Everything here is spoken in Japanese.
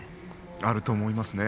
あると思いますね。